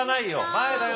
前だよ